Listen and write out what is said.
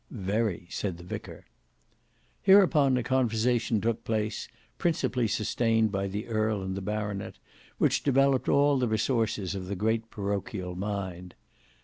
"Very," said the vicar. Hereupon a conversation took place, principally sustained by the earl and the baronet, which developed all the resources of the great parochial mind.